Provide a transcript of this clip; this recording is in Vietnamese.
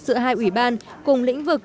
giữa hai ủy ban cùng lĩnh vực